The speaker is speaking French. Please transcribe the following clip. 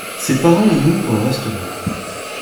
Ses parents y ouvrent un restaurant.